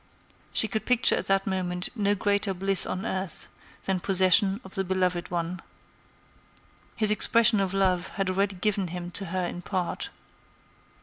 She could picture at that moment no greater bliss on earth than possession of the beloved one. His expression of love had already given him to her in part.